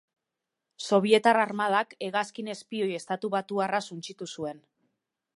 Sobietar armadak hegazkin espioi estatubatuarra suntsitu zuen.